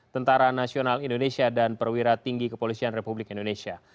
tentara nasional indonesia dan perwira tinggi kepolisian republik indonesia